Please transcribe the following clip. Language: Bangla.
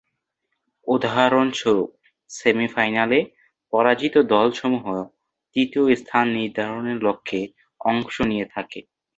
উদাহরণস্বরূপ: সেমি-ফাইনালে পরাজিত দলসমূহ তৃতীয় স্থান নির্ধারণের লক্ষ্যে অংশ নিয়ে থাকে।